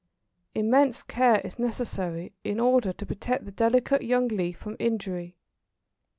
Immense care is necessary in order to protect the delicate young leaf from injury.